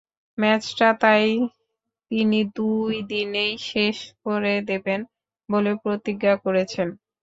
ম্যাচটা তাই তিনি দুই দিনেই শেষ করে দেবেন বলে প্রতিজ্ঞা করেছেন।